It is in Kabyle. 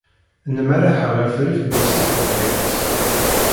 Nmerreḥ ɣef rrif n wasif n Thames.